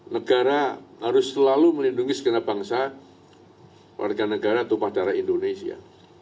negara harus selalu melindungi segena bangsa warga negara atau padara indonesia